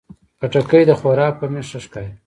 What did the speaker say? خټکی د خوراک په میز ښه ښکاري.